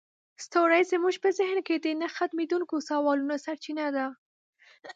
ستوري زموږ په ذهن کې د نه ختمیدونکي سوالونو سرچینه ده.